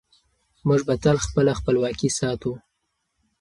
موږ به تل خپله خپلواکي ساتو.